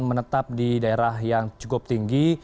menetap di daerah yang cukup tinggi